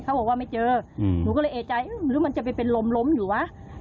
เขาบอกว่าไม่เจอหนูก็เลยเอกใจหรือมันจะไปเป็นลมล้มอยู่วะ